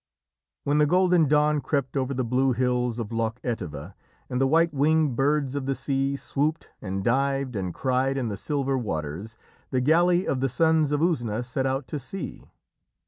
When the golden dawn crept over the blue hills of Loch Etive, and the white winged birds of the sea swooped and dived and cried in the silver waters, the galley of the Sons of Usna set out to sea.